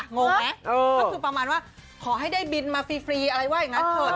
งงไหมก็คือประมาณว่าขอให้ได้บินมาฟรีอะไรว่าอย่างนั้นเถอะ